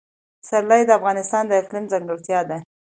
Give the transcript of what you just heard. پسرلی د افغانستان د اقلیم ځانګړتیا ده.